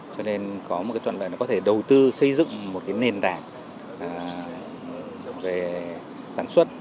cho nên có một thuận lợi có thể đầu tư xây dựng một nền tảng về sản xuất